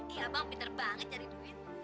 iya bang pinter banget cari duit